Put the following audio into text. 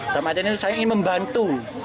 saya ingin membantu